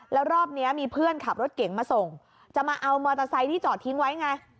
แล้วรอบนี้มีเพื่อนขับรถเก๋งมาส่งจะมาเอามอเตอร์ไซค์ที่จอดทิ้งไว้ไง